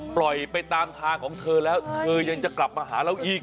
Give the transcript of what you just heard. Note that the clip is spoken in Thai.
ปล่อยไปตามทางของเธอแล้วเธอยังจะกลับมาหาเราอีก